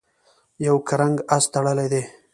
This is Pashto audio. یو کرنګ آس تړلی دی.